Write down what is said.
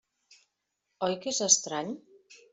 Oi que és estrany?